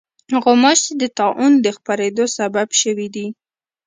غوماشې د طاعون د خپرېدو سبب شوې دي.